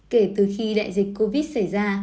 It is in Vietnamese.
kể từ khi đại dịch covid xảy ra